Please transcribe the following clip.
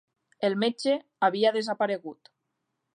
El metge havia desaparegut